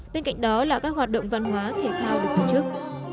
bên cạnh đó là các hoạt động văn hóa thể thao được tổ chức